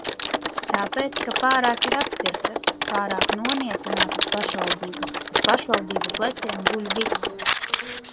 "Tāpēc, ka pārāk ir "apcirptas", pārāk noniecinātas pašvaldības, uz pašvaldību pleciem guļ viss."